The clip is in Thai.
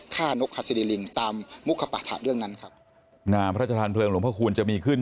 ฆ่านกฮัสดีลิงตามมุขปภาษาเรื่องนั้นครับนามพระเจ้าทางเพลิงหลวงพระคุณจะมีขึ้น